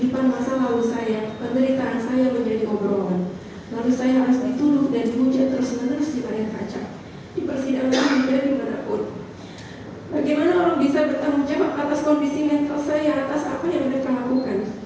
bagaimana orang bisa bertanggung jawab atas kondisi mental saya atas apa yang mereka lakukan